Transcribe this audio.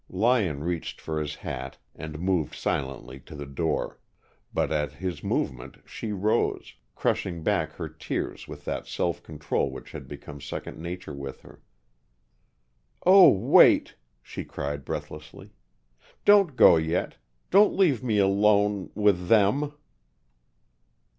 Lyon reached for his hat and moved silently to the door, but at his movement she rose, crushing back her tears with that self control which had become second nature with her. "Oh, wait!" she cried, breathlessly. "Don't go yet! Don't leave me alone with them."